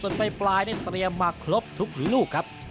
ในเตรียมมาครบทุกริลูกครับ